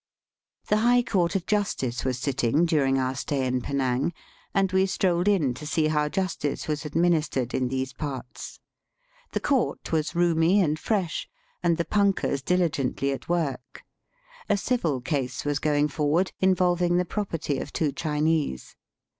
The High Court of Justice was sitting during our stay in Penang, and we strolled in to see how justice was administered in these parts. The court was roomy and fresh, and the punkahs diUgently at work. A civil case was going forward, involving the property of two Chinese.